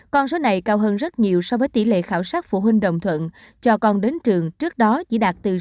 con số này cao hơn rất nhiều so với tỷ lệ khảo sát phụ huynh đồng thuận cho con đến trường trước đó chỉ đạt từ sáu mươi